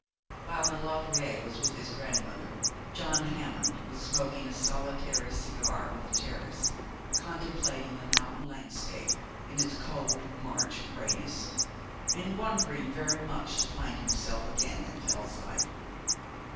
While Maulevrier was with his grandmother John Hammond was smoking a solitary cigar on the terrace, contemplating the mountain landscape in its cold March greyness, and wondering very much to find himself again at Fellside.